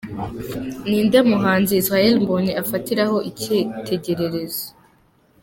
Ni nde muhanzi Israel Mbonyi afatiraho icyitegererezo?.